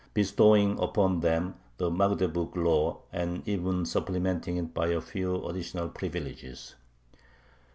bestowing upon them the Magdeburg Law, and even supplementing it by a few additional privileges.